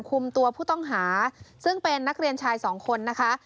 คุมตัวผู้ต้องหาซึ่งเป็นนักเรียนชายสองคนนะคะ